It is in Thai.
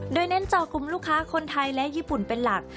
โดยเน้นจอกลุ่มลูกค้าคนไทยและญี่ปุ่นเป็นหลัก